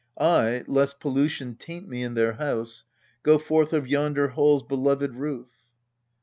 I, lest pollution taint me in their house, Go forth of yonder hall's beloved roof.